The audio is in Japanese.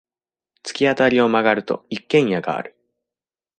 突き当たりを曲がると、一軒家がある。